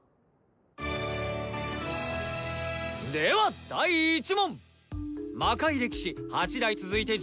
では第１問！